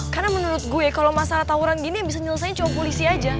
karena menurut gue kalau masalah tauran gini yang bisa nyelesainya cuma polisi aja